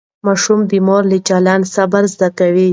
ماشوم د مور له چلند صبر زده کوي.